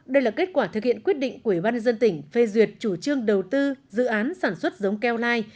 đây là kết quả thực hiện quyết định của ủy ban dân tỉnh phê duyệt chủ trương đầu tư dự án sản xuất giống keo lai